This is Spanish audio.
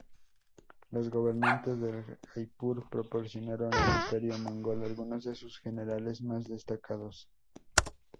Los gobernantes de Jaipur proporcionaron al imperio mogol algunos de sus generales más destacados.